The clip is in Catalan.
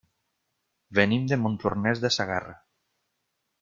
Venim de Montornès de Segarra.